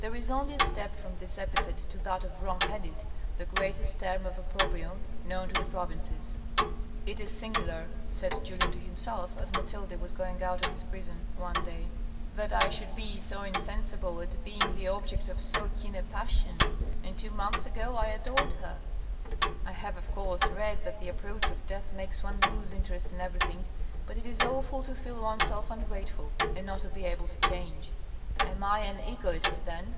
There is only a step from this epithet to that of wrong headed, the greatest term of opprobrium known to the provinces. "It is singular," said Julien to himself, as Mathilde was going out of his prison one day, " that I should be so insensible at being the object of so keen a passion ! And two months ago I adored her ! I have, of course, read that the approach of death makes one lose interest in everything, but it is awful to feel oneself ungrateful, and not to be able to change. Am I an egoist, then